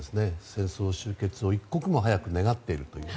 戦争終結を一刻も早く願っているという。